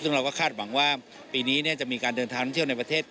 ซึ่งเราก็คาดหวังว่าปีนี้จะมีการเดินทางท่องเที่ยวในประเทศ